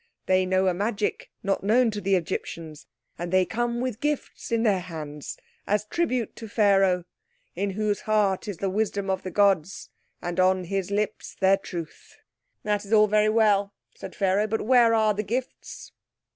They know a magic not known to the Egyptians. And they come with gifts in their hands as tribute to Pharaoh, in whose heart is the wisdom of the gods, and on his lips their truth." "That is all very well," said Pharaoh, "but where are the gifts?"